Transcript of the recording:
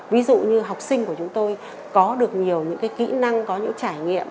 ví dụ như học sinh của chúng tôi có được nhiều những cái kỹ năng có những trải nghiệm